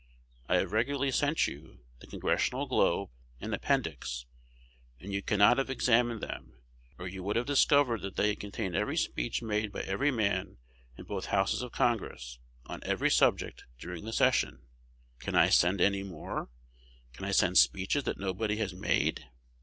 I have regularly sent you "The Congressional Globe" and "Appendix," and you cannot have examined them, or you would have discovered that they contain every speech made by every man in both Houses of Congress, on every subject, during the session. Can I send any more? Can I send speeches that nobody has made?